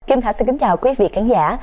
kim thảo xin kính chào quý vị khán giả